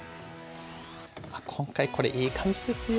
あっ今回これいい感じですよ。